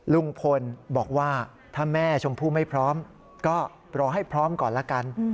ลุงพลบอกว่าถ้าแม่ชมพู่ไม่พร้อมก็รอให้พร้อมก่อนละกัน